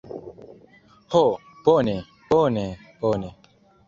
Ho, bone, bone, bone.